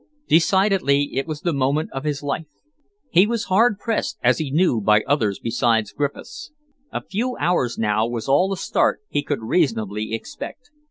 Decidedly it was the moment of his life. He was hard pressed, as he knew, by others besides Griffiths. A few hours now was all the start he could reasonably expect.